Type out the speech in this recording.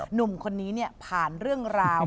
หนุ่มคนนี้ผ่านเรื่องราว